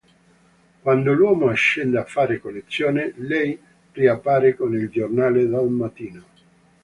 Quando l'uomo scende a fare colazione, lei riappare con il giornale del mattino.